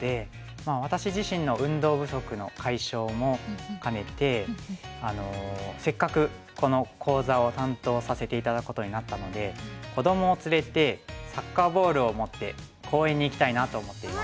私自身の運動不足の解消も兼ねてせっかくこの講座を担当させて頂くことになったので子どもを連れてサッカーボールを持って公園に行きたいなと思っています。